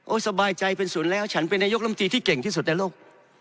สบายใจเป็นศูนย์แล้วฉันเป็นนายกลำตีที่เก่งที่สุดในโลก